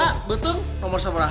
ayah betul nomor seberang h sepuluh